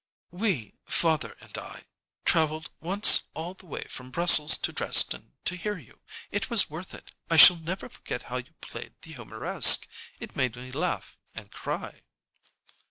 "We father and I traveled once all the way from Brussels to Dresden to hear you. It was worth it. I shall never forget how you played the 'Humoresque.' It made me laugh and cry."